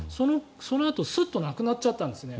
そのあとスッとなくなっちゃったんですね